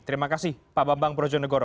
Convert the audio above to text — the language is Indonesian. terima kasih pak bambang brojo negoro